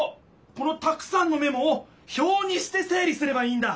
このたくさんのメモをひょうにして整理すればいいんだ！